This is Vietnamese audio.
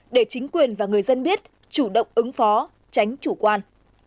để chính quyền và người dân biết chủ động ứng phó tránh chủ quan